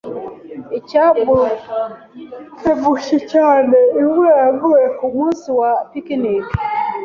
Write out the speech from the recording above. Icyamutengushye cyane, imvura yaguye kumunsi wa picnic.